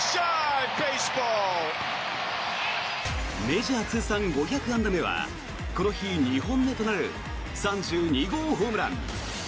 メジャー通算５００安打目はこの日２本目となる３２号ホームラン。